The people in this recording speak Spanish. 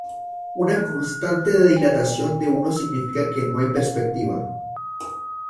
Una constante de dilatación de uno significa que no hay perspectiva.